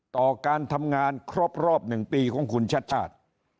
ต่อการทำงานครบรอบ๑ปีของคุณชัด